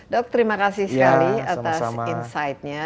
dok terima kasih sekali atas insightnya